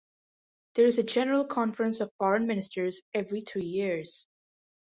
There is a general Conference of Foreign Ministers every three years.